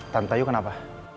tante ayu kenapa